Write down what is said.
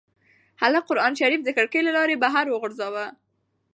هلک قرانشریف د کړکۍ له لارې بهر وغورځاوه.